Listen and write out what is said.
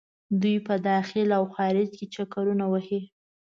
دوۍ په داخل او خارج کې چکرونه وهي.